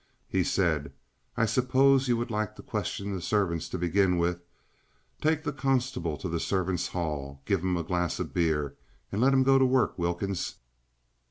He said: "I suppose you would like to question the servants to begin with. Take the constable to the servants' hall, give him a glass of beer, and let him get to work, Wilkins."